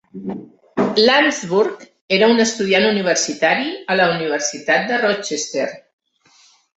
Landsburg era un estudiant universitari a la Universitat de Rochester.